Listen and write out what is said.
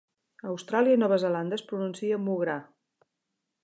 A Austràlia i Nova Zelanda es pronuncia "MuhGrah".